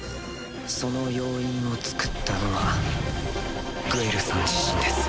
その要因を作ったのはグエルさん自身です。